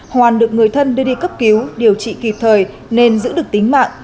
hoàn được người thân đưa đi cấp cứu điều trị kịp thời nên giữ được tính mạng